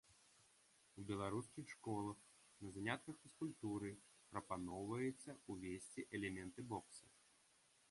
У беларускіх школах на занятках фізкультуры прапаноўваецца ўвесці элементы бокса.